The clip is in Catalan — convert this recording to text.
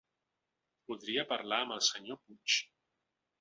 Voldria parlar amb el senyor Puig.